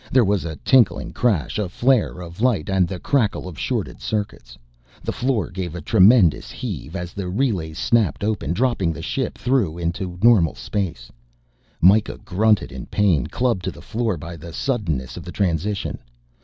There was a tinkling crash, a flare of light and the crackle of shorted circuits. The floor gave a tremendous heave as the relays snapped open, dropping the ship through into normal space. Mikah grunted in pain, clubbed to the floor by the suddenness of the transition.